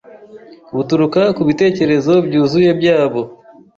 buturuka kubitekerezo byuzuye byabo